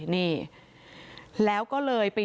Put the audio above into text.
นี่